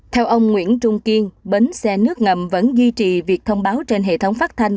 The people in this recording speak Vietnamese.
theo ông nguyễn trung kiên bến xe nước ngầm vẫn duy trì việc thông báo trên hệ thống phát thanh